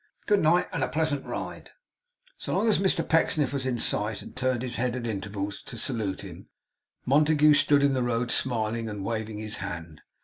'Good night. And a pleasant ride!' So long as Mr Pecksniff was in sight, and turned his head at intervals to salute him, Montague stood in the road smiling, and waving his hand.